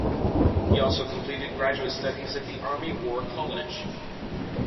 He also completed graduate studies at the Army War College.